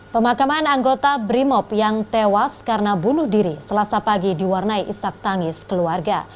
pemakaman anggota brimob yang tewas karena bunuh diri selasa pagi diwarnai isak tangis keluarga